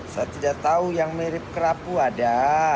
saya tidak tahu yang mirip kerapu ada